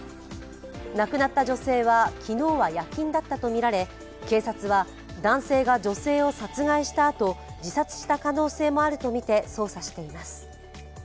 亡くなった女性は、昨日は夜勤だったとみられ警察は男性が女性を殺害したあと自殺した可能性もあるとみて捜査しています。